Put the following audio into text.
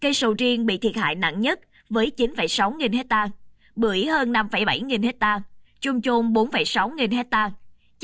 cây sầu riêng bị thiệt hại nặng nhất với chín sáu nghìn hectare bưởi hơn năm bảy nghìn hectare chôn chôn bốn sáu nghìn hectare chanh hai ba nghìn hectare